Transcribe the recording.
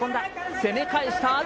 攻め返した阿炎。